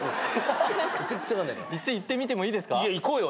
１いってみてもいいですか？いこうよ！